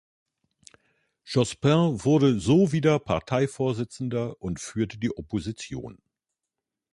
Jospin wurde so wieder Parteivorsitzender und führte die Opposition.